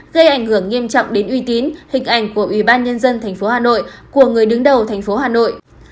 gây ảnh hưởng nghiêm trọng đến uy tín hình ảnh của ubnd tp hà nội của người đứng đầu tp hà nội